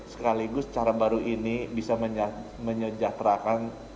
sekaligus cara baru ini bisa menyejahterakan